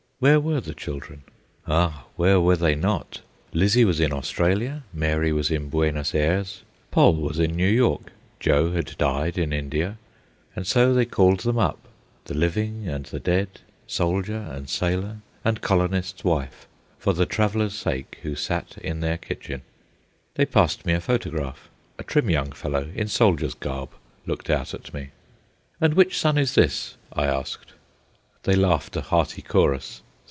Where were the children? Ah, where were they not? Lizzie was in Australia; Mary was in Buenos Ayres; Poll was in New York; Joe had died in India—and so they called them up, the living and the dead, soldier and sailor, and colonist's wife, for the traveller's sake who sat in their kitchen. They passed me a photograph. A trim young fellow, in soldier's garb looked out at me. "And which son is this?" I asked. They laughed a hearty chorus.